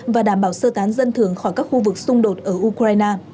và đảm bảo sơ tán dân thường khỏi các khu vực xung đột ở ukraine